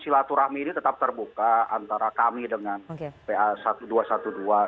silaturahmi ini tetap terbuka antara kami dengan pa seribu dua ratus dua belas